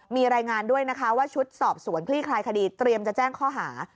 มีรายงานด้วยนะคะว่าชุดสอบสวนคลี่คลายคดีเตรียมจะแจ้งข้อหา